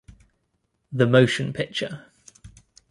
The Motion Picture.